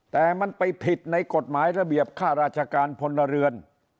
แต่มันไปผิดในกฎหมายระเบียบค่าราชการพลเรือน